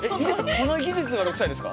この技術が６歳ですか？